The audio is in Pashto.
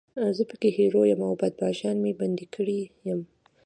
زه پکې هیرو یم او بدماشانو مې بندي کړی یم.